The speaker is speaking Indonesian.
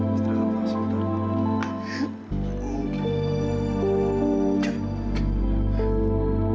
pasti cuma ruinnya nang